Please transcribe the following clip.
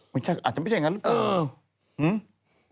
ไม่ใช่อาจจะไม่ใช่อย่างนั้นหรือเปล่าเออ